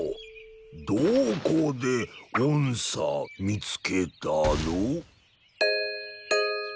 どこで音叉見つけたの？